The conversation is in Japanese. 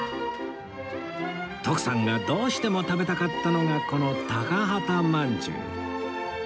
徳さんがどうしても食べたかったのがこの高幡まんじゅう